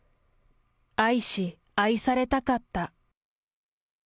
愛し愛されたかった。